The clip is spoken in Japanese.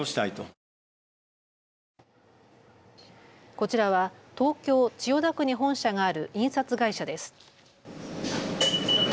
こちらは東京千代田区に本社がある印刷会社です。